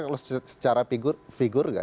kalau secara figur